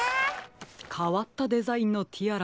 かわったデザインのティアラですね。